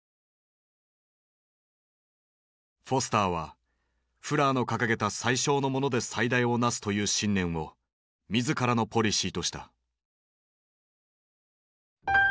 フォスターはフラーの掲げた「最小のもので最大をなす」という信念を自らのポリシーとした。